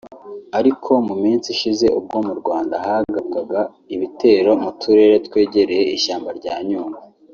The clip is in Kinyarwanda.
Ariko mu minsi ishize ubwo mu Rwanda hagabwaga ibitero mu turere twegereye ishyamba rya Nyungwe